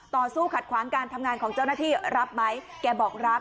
ต่อสู้ขัดขวางการทำงานของเจ้าหน้าที่รับไหมแกบอกรับ